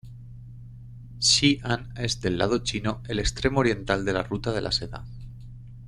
Xi'an es —del lado chino— el extremo oriental de la Ruta de la Seda.